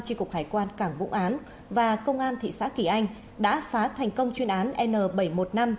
tri cục hải quan cảng vũng án và công an thị xã kỳ anh đã phá thành công chuyên án n bảy trăm một mươi năm